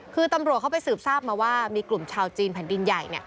คือตำรวจเขาไปสืบทราบมาว่ามีกลุ่มชาวจีนแผ่นดินใหญ่